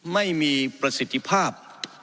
ไม่มีประสิทธิภาพ